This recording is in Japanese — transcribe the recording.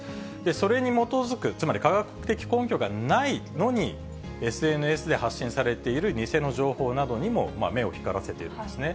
それに基づく、つまり、科学的根拠がないのに、ＳＮＳで発信されている偽の情報などにも目を光らせているんですね。